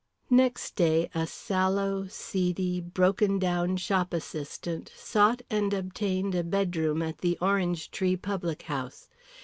Next day a sallow, seedy, broken down shop assistant sought and obtained a bedroom at the Orange Tree public house.